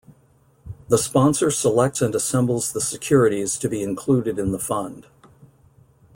The sponsor selects and assembles the securities to be included in the fund.